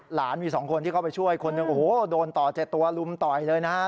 หลานมี๒คนที่เข้าไปช่วยคนหนึ่งโอ้โหโดนต่อ๗ตัวลุมต่อยเลยนะฮะ